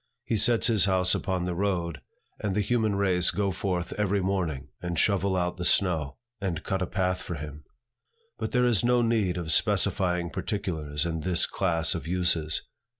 He sets his house upon the road, and the human race go forth every morning, and shovel out the snow, and cut a path for him. But there is no need of specifying particulars in this class of uses.